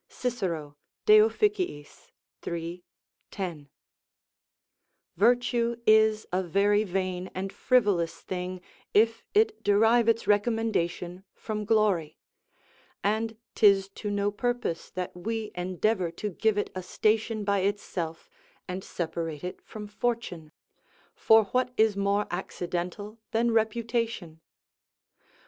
Cicero, De Offic., iii. 10.] Virtue is a very vain and frivolous thing if it derive its recommendation from glory; and 'tis to no purpose that we endeavour to give it a station by itself, and separate it from fortune; for what is more accidental than reputation?